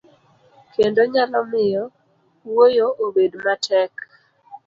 kendo nyalo miyo wuoyo obed matek.